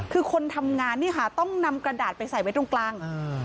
คือคนทำงานนี่ค่ะต้องนำกระดาษไปใส่ไว้ตรงกลาง